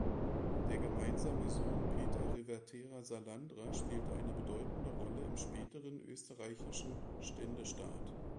Der gemeinsame Sohn Peter Revertera-Salandra spielte eine bedeutende Rolle im späteren österreichischen Ständestaat.